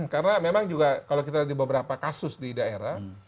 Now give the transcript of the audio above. karena memang juga kalau kita lihat di beberapa kasus di daerah